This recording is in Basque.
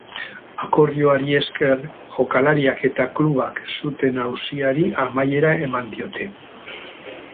Akordioari esker, jokalariak eta klubak zuten auziari amaiera eman diote.